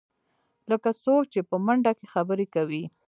لکه څوک چې په منډه کې خبرې کوې.